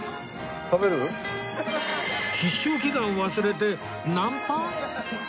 必勝祈願忘れてナンパ！？